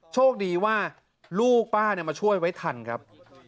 โชคดีว่าลูกป้ามาช่วยไว้ทันครับ